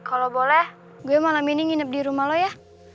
kalau boleh gue malam ini nginep di rumah lo ya